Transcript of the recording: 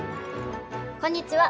こんにちは。